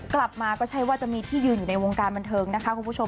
กลับมาก็ใช่ว่าจะมีที่ยืนอยู่ในวงการบันเทิงนะคะคุณผู้ชม